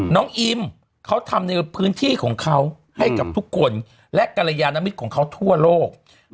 อิมเขาทำในพื้นที่ของเขาให้กับทุกคนและกรยานมิตรของเขาทั่วโลก